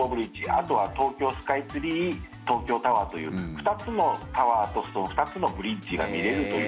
あとは東京スカイツリー東京タワーという２つのタワーと２つのブリッジが見れるという。